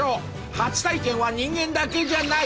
初体験は人間だけじゃない。